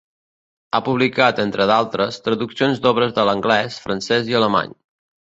Ha publicat, entre d'altres, traduccions d'obres de l'anglès, francès i alemany.